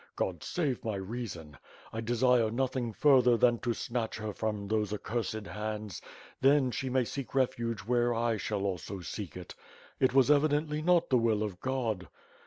God save my reason. I desire noth ing further than to snatch her from those accursed hands. Then, she may seek refuge where I shall also seek it. It was evidently not the will of God.